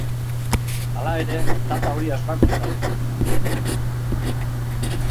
Hala ere, data hori asmakuntza hutsa izan zen.